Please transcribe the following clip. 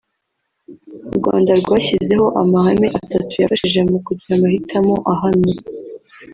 u Rwanda rwashyizeho amahame atatu yafashije mu kugira amahitamo ahamye